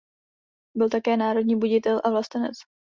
Byl také národní buditel a vlastenec.